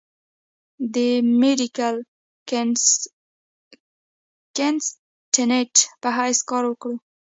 د ميډيکل کنسلټنټ پۀ حېث کار اوکړو ۔